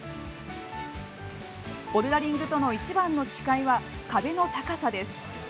ボルダリングとの一番の違いは壁の高さです。